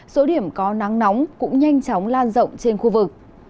số điểm có nắng nóng cũng nhanh chóng lan rộng trên khu vực